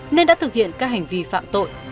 nên đã thực hiện các hành vi phạm tội